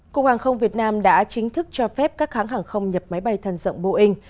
cục hàng không việt nam đã chính thức cho phép các hãng hàng không nhập máy bay thân rộng boeing